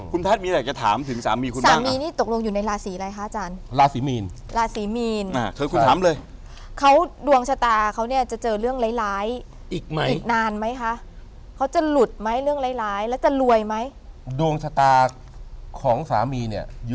คุณแพทย์มีอะไรจะถามถึงสามีคุณไหมสามีนี่ตกลงอยู่ในราศีอะไรคะอาจารย์